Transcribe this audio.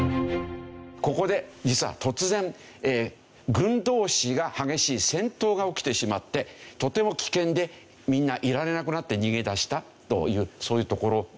ここで実は突然軍同士が激しい戦闘が起きてしまってとても危険でみんないられなくなって逃げ出したというそういうところなんですね。